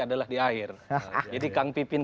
adalah di akhir jadi kang pipin